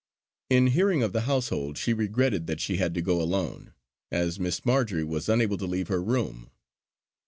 In hearing of the household she regretted that she had to go alone, as Miss Marjory was unable to leave her room.